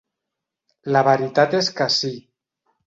La veritat és que sí.